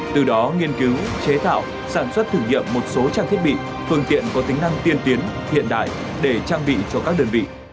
từ đó nghiên cứu chế tạo sản xuất thử nghiệm một số trang thiết bị phương tiện có tính năng tiên tiến hiện đại để trang bị cho các đơn vị